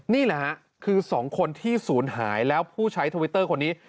นี่แหละฮะคือ๒คนที่ศูนย์หายแล้วผู้ใช้ทวิตเตอร์คนนี้